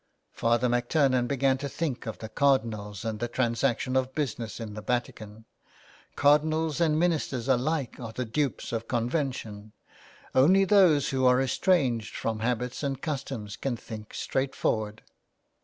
Father MacTurnan began to think of the cardinals and the transaction of business in the Vatican ; cardinals and ministers alike are the dupes of con vention. Only those who are estranged from habits and customs can think straightforward.